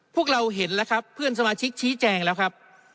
พวกเราเห็นแล้วครับเพื่อนสมาชิกชี้แจงแล้วครับ